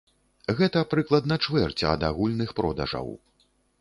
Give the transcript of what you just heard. Гэта прыкладна чвэрць ад агульных продажаў.